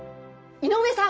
井上さん！